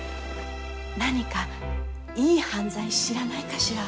何かいい犯罪知らないかしら。